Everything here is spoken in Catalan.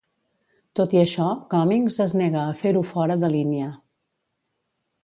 Tot i això, Cummings es nega a fer-ho fora de línia.